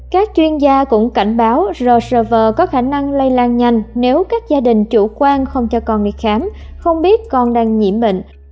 các chuyên gia cũng cảnh báo ro server có khả năng lây lan nhanh nếu các gia đình chủ quan không cho con đi khám không biết con đang nhiễm bệnh